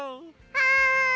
はい！